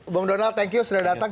bang donald thank you sudah datang